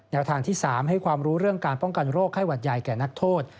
ทางที่๓ให้ความรู้เรื่องการป้องกันโรคไข้หวัดใหญ่แก่นักโทษ